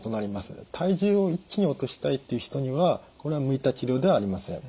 体重を一気に落としたいっていう人にはこれは向いた治療ではありません。